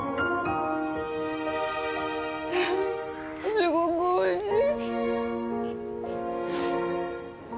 すごくおいしい